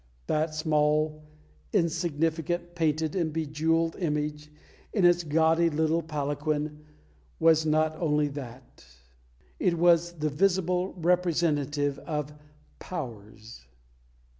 That small, insignificant, painted, and bejewelled image, in its gaudy little palanquin, was not only that. It was the visible representative of Powers.